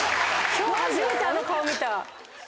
今日初めてあの顔見た。